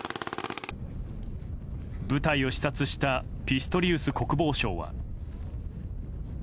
部隊を視察したピストリウス国防相は。